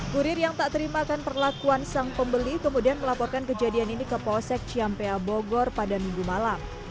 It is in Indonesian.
kurir yang tak terimakan perlakuan sang pembeli kemudian melaporkan kejadian ini ke polsek ciampea bogor pada minggu malam